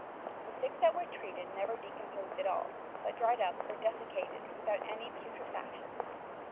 The six that were treated never decomposed at all, bnt dried up or desiccated without any putrefaction.